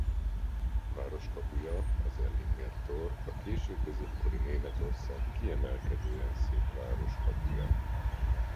Városkapuja az Ellinger-tor a késő középkori Németország kiemelkedően szép városkapuja.